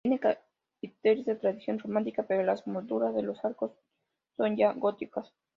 Tiene capiteles de tradición románica pero las molduras de los arcos son ya góticas.